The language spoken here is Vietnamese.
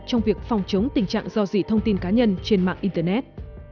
trong việc phòng chống tình trạng do dị thông tin cá nhân trên mạng internet